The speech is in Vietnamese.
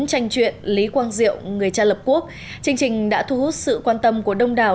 tranh chuyện lý quang diệu người cha lập quốc chương trình đã thu hút sự quan tâm của đông đảo